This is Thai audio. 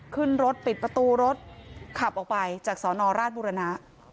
ขึ้นรถปิดประตูรถขับออกไปจากสอนอราชบุรณะ